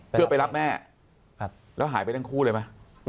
เพื่อไปรับแม่แล้วหายไปทั้งคู่เลยไหม